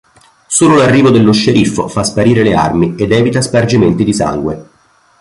Solo l'arrivo dello sceriffo fa sparire le armi ed evita spargimenti di sangue.